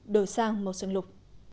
đổi sang màu sương lục